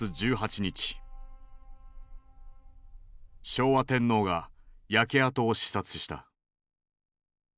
昭和天皇が焼け跡を視察した。